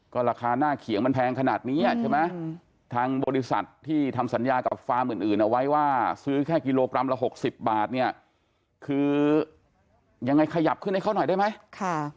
ก็ราคาหน้าเขียงมันแพงขนาดนี้ใช่ไหมทางบริษัทที่ทำสัญญากับฟาร์มอื่นเอาไว้ว่าซื้อแค่กิโลกรัมละ๖๐บาทเนี่ยคือยังไงขยับขึ้นให้เขาหน่อยได้ไหมค่ะ